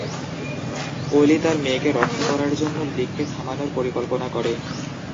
অলি তার মেয়েকে রক্ষা করার জন্য লিককে থামানোর পরিকল্পনা করে।